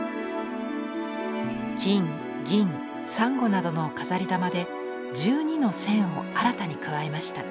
金銀珊瑚などの飾玉で１２の線を新たに加えました。